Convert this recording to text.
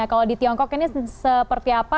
kalau di tiongkok ini seperti apa